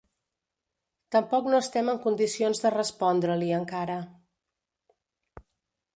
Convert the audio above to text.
Tampoc no estem en condicions de respondre-li, encara.